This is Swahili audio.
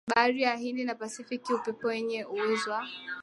Bahari Hindi na Pasifiki upepo wenye uwezo wa